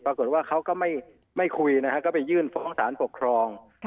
ปรากฏว่าเขาก็ไม่คุยนะฮะก็ไปยื่นฟ้องสารปกครอง